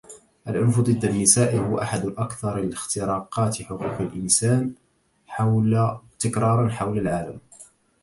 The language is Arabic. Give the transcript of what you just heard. العنف ضد النساء هو أحد أكثر اختراقات حقوق الإنسان تكراراً حول العالم.